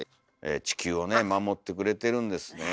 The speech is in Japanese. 地球をね守ってくれてるんですねえ。